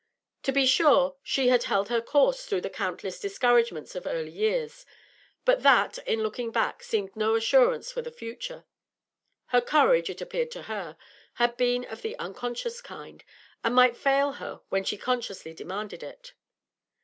To be sure she had held her course through the countless discouragements of early years; but that, in looking back, seemed no assurance for the future; her courage, it appeared to her, had been of the unconscious kind, and might fail her when she consciously demanded it.